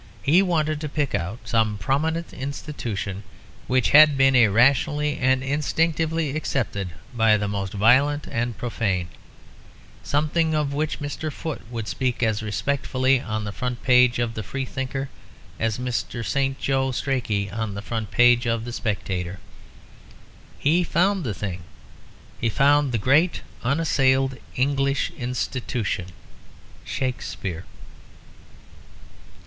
He wanted to pick out some prominent institution which had been irrationally and instinctively accepted by the most violent and profane; something of which Mr. Foote would speak as respectfully on the front page of the Freethinker as Mr. St. Loe Strachey on the front page of the Spectator. He found the thing; he found the great unassailed English institution Shakespeare.